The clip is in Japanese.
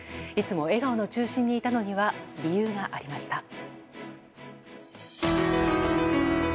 いつも笑顔の中心にいたのには理由がありました。